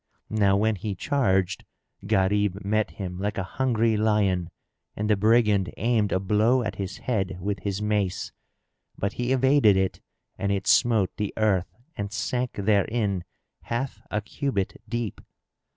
Now when he charged, Gharib met him like a hungry lion, and the brigand aimed a blow at his head with his mace; but he evaded it and it smote the earth and sank therein half a cubit deep.